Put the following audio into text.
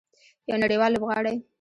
یو نړیوال لوبغاړی.